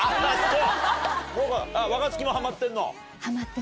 若槻もハマってんの？